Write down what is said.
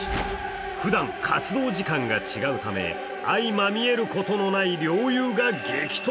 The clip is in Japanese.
ふだん、活動時間が違うため相まみえることのない両雄が激突。